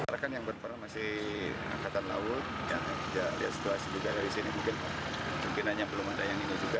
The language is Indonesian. rakan yang berperan masih angkatan laut yang lihat situasi juga dari sini mungkin mungkin hanya belum ada yang ini juga